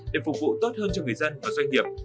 để phục vụ tốt hơn cho người dân và doanh nghiệp